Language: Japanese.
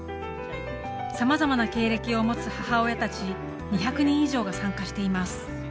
さまざまな経歴を持つ母親たち２００人以上が参加しています。